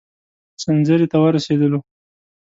سنځري ته ورسېدلو.